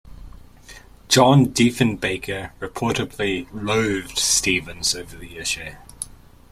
John Diefenbaker reportedly "loathed" Stevens over the issue.